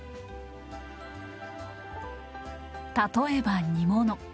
例えば煮物。